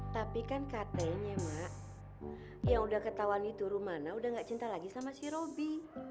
tapi kan katanya mak ya udah ketahuan itu rumana udah gak cinta lagi sama si roby